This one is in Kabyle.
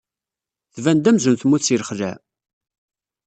Tban-d amzun temmut seg lxelɛa.